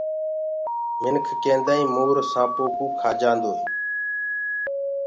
منک ڪيدآئين مور سآنپ کآ جآندوئي